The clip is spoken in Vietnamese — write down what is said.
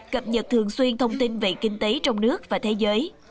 cập nhật thường xuyên thông tin về kinh tế trong nước và thế giới